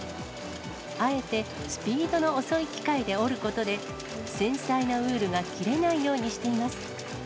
あえてスピードの遅い機械で織ることで、繊細なウールが切れないようにしています。